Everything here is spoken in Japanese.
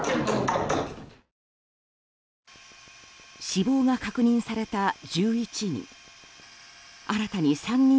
死亡が確認された１１人。